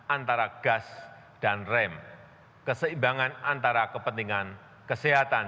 antara gas dan rem keseimbangan antara kepentingan kesehatan